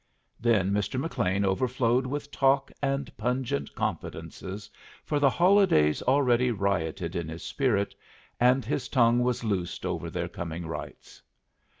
Then Mr. McLean overflowed with talk and pungent confidences, for the holidays already rioted in his spirit, and his tongue was loosed over their coming rites.